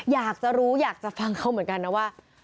อยากจะรู้อยากจะฟังเขาเหมือนกันนะว่า